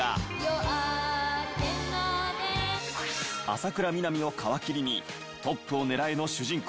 浅倉南を皮切りに『トップをねらえ！』の主人公